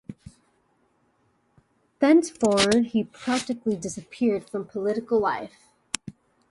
Thenceforward he practically disappeared from political life.